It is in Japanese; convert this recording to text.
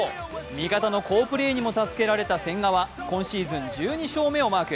味方の好プレーにも助けられた千賀は今シーズン１２勝目をマーク。